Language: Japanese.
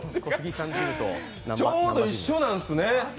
「南波−ＧＹＭ」ちょうど一緒なんですね。